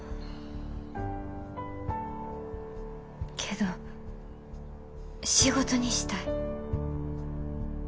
けど仕事にしたい。